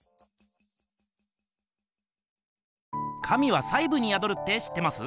「神は細ぶにやどる」って知ってます？